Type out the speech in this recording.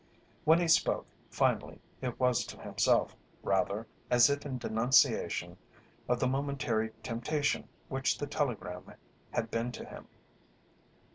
When he spoke, finally, it was to himself, rather, as if in denunciation of the momentary temptation which the telegram had been to him.